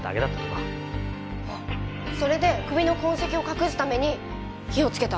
それで首の痕跡を隠すために火をつけた。